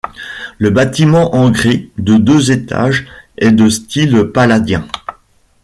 Le bâtiment en grès de deux étages est de style Palladien.